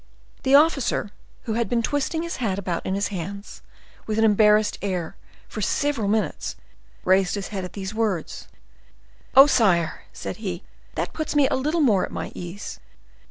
The officer, who had been twisting his hat about in his hands, with an embarrassed air, for several minutes, raised his head at these words. "Oh! sire," said he, "that puts me a little more at my ease.